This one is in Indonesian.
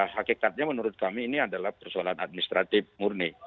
hakikatnya menurut kami ini adalah persoalan administratif murni